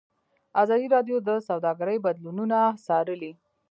ازادي راډیو د سوداګري بدلونونه څارلي.